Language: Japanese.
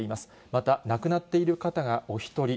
また亡くなっている方がお１人。